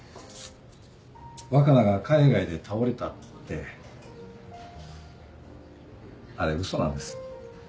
若菜が海外で倒れたってあれ嘘なんです。